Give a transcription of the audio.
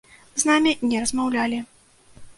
З намі не размаўлялі.